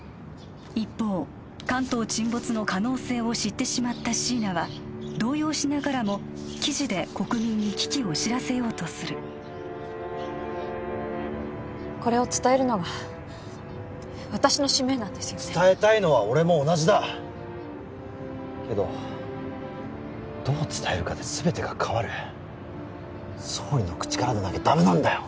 一方関東沈没の可能性を知ってしまった椎名は動揺しながらも記事で国民に危機を知らせようとするこれを伝えるのが私の使命なんですよね伝えたいのは俺も同じだけどどう伝えるかで全てが変わる総理の口からでなきゃダメなんだよ